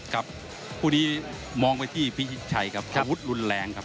ครับคู่นี้มองไปที่พิชิตชัยครับอาวุธรุนแรงครับ